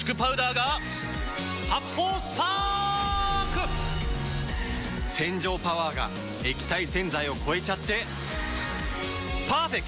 発泡スパーク‼洗浄パワーが液体洗剤を超えちゃってパーフェクト！